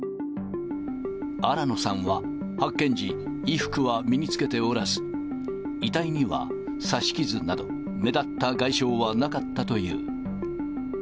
新野さんは発見時、衣服は身に着けておらず、遺体には刺し傷など、目立った外傷はなかったという。